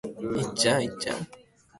岩手県紫波町